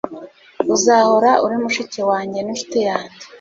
Uzahora uri mushiki wanjye ninshuti yanjye